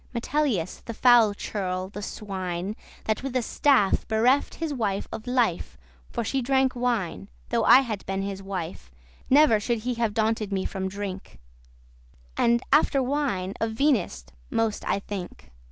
Metellius, the foule churl, the swine, That with a staff bereft his wife of life For she drank wine, though I had been his wife, Never should he have daunted me from drink: And, after wine, of Venus most I think.